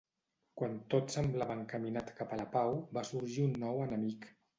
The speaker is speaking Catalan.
Quan tot semblava encaminat cap a la pau va sorgir un nou enemic.